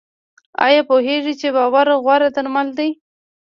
ایا پوهیږئ چې باور غوره درمل دی؟